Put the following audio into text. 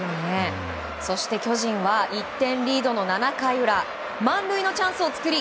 そして巨人は１点リードの７回裏満塁のチャンスを作り